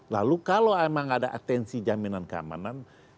lalu kalau memang ada atensi jaminan keamanan